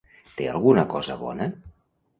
Té alguna cosa bona?